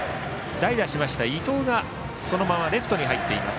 代打しました、伊藤がそのままレフトに入っています。